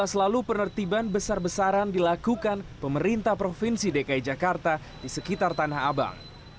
dua belas lalu penertiban besar besaran dilakukan pemerintah provinsi dki jakarta di sekitar tanah abang